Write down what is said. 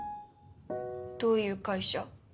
どういう会社？